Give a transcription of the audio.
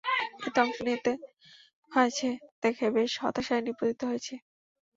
এতে অংশ নিতে হয়েছে দেখে বেশ হতাশায় নিপতিত হয়েছি।